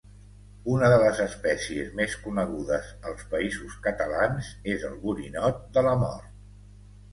Una de les espècies més conegudes als Països Catalans és el borinot de la mort.